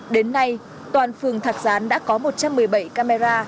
đến nay toàn phường thạc gián đã có một trăm một mươi bảy camera